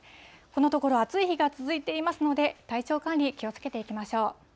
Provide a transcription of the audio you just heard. このところ暑い日が続いていますので、体調管理、気をつけていきましょう。